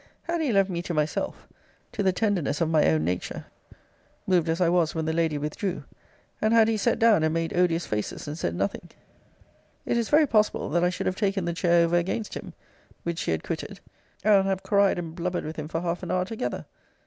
Had he left me to myself, to the tenderness of my own nature, moved as I was when the lady withdrew, and had he set down, and made odious faces, and said nothing it is very possible that I should have taken the chair over against him, which she had quitted, and have cried and blubbered with him for half an hour together.